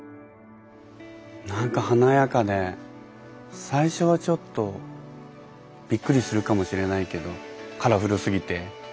何か華やかで最初はちょっとびっくりするかもしれないけどカラフルすぎて。